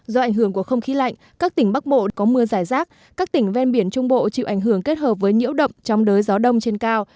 do ảnh hưởng của không khí lạnh các tỉnh bắc bộ có mưa dài rác các tỉnh ven biển trung bộ chịu ảnh hưởng kết hợp với nhiễu động trong đới gió đông trên cao